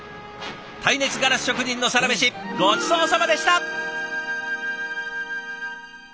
耐熱ガラス職人のサラメシごちそうさまでした！